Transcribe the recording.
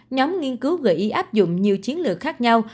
nhóm nghiên cứu gợi ý áp dụng nhiều chiến lược khác nhau